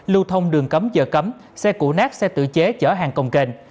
lưu thông đường cấm giờ cấm xe củ nát xe tự chế chở hàng công kền